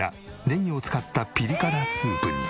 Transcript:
ねぎを使ったピリ辛スープに。